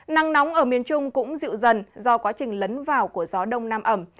nắng nóng ở miền trung cũng dịu dần do quá trình lấn vào của gió đông nam ẩm